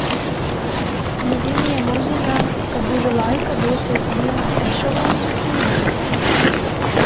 No viņiem uzzinām, ka drīzā laikā dosies viens ešelons uz Rīgu.